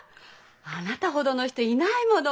あなたほどの人いないもの。